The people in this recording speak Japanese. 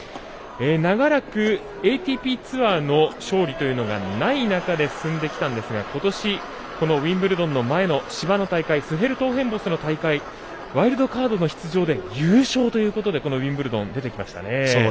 長らくＡＴＰツアーの勝利がない中進んできたんですがことし、ウィンブルドンの前の芝の大会スヘルトーヘンボスの大会ワイルドカードの出場で優勝ということでウィンブルドン出てきましたね。